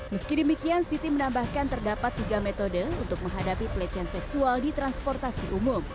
meski demikian siti menambahkan terdapat tiga metode untuk menghadapi pelecehan seksual di transportasi umum